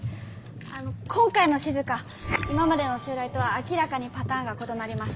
あの今回のしずか今までの襲来とは明らかにパターンが異なります。